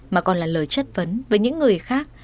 mà còn là lời chất vấn với những người khác